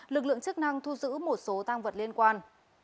lực lượng chức năng thu giữ một số tăng vật liên quan